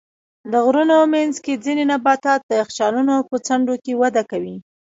د غرونو منځ کې ځینې نباتات د یخچالونو په څنډو کې وده کوي.